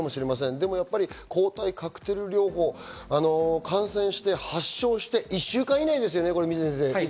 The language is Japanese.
でも、抗体カクテル療法、感染して発症して、１週間以内ですよね、水野先生。